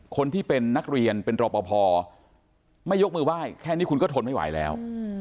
คนที่เป็นนักเรียนเป็นรอปภไม่ยกมือไหว้แค่นี้คุณก็ทนไม่ไหวแล้ว